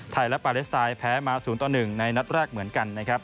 และปาเลสไตน์แพ้มา๐ต่อ๑ในนัดแรกเหมือนกันนะครับ